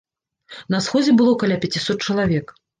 На сходзе было каля пяцісот чалавек.